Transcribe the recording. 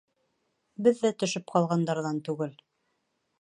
Беҙ ҙә төшөп ҡалғандарҙан түгел.